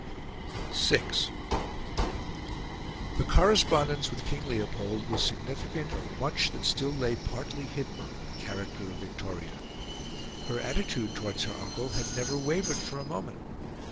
VI The correspondence with King Leopold was significant of much that still lay partly hidden in the character of Victoria. Her attitude towards her uncle had never wavered for a moment.